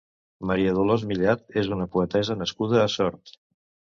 Maria Dolors Millat és una poetessa nascuda a Sort.